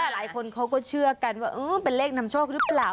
หลายคนเขาก็เชื่อกันว่าเป็นเลขนำโชคหรือเปล่า